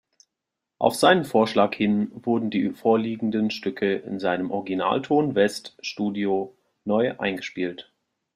Auf seinen Vorschlag hin wurden die vorliegenden Stücke in seinem Originalton-West-Studio neu eingespielt.